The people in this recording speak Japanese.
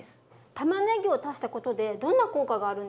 たまねぎを足したことでどんな効果があるんですか？